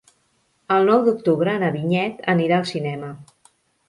El nou d'octubre na Vinyet anirà al cinema.